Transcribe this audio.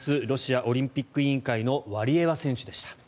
ロシアオリンピック委員会のワリエワ選手でした。